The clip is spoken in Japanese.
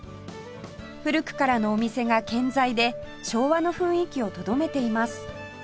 古くからのお店が健在で昭和の雰囲気をとどめています